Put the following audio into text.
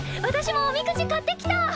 私もおみくじ買ってきた！